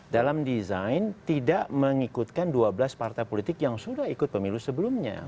dalam desain tidak mengikutkan dua belas partai politik yang sudah ikut pemilu sebelumnya